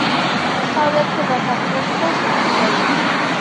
დასავლეთიდან და სამხრეთიდან შესასვლელია.